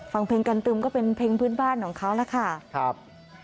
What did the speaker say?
ฟังเพลงกันตึมก็เป็นเพลงพื้นบ้านของเขาแล้วค่ะครับ